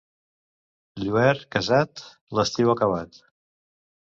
Lluert cansat, l'estiu acabat.